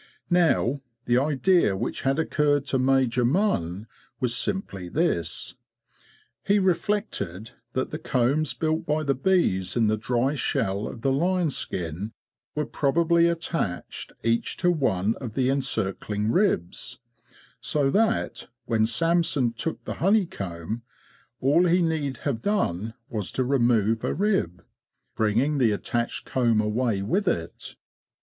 Now, the idea which had occurred to Major Munn was simply this: He reflected that the combs built by the bees in the dry shell of the lion skin were probably attached each to one of the encircling ribs; so that, when Samson took the honey comb, all he need have done was to remove a rib, bring ing the attached comb away with it.